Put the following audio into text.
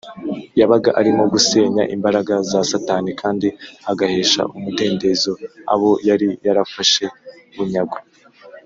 yabaga arimo gusenya imbaraga za satani kandi agahesha umudendezo abo yari yarafashe bunyago